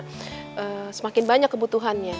karena semakin banyak kebutuhannya